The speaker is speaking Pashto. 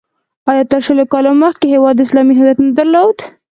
آیا تر شلو کالو مخکې هېواد اسلامي هویت نه درلود؟